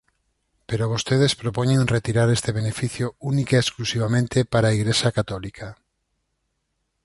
Pero vostedes propoñen retirar este beneficio única e exclusivamente para a Igrexa católica.